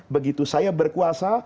begitu saya berkuasa